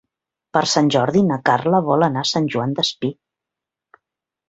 Per Sant Jordi na Carla vol anar a Sant Joan Despí.